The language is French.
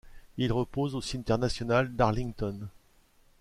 Il repose au Cimetière national d'Arlington.